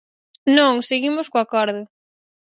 Non, seguimos co acordo.